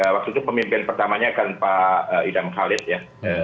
waktu itu pemimpin pertamanya kan pak idam khalid ya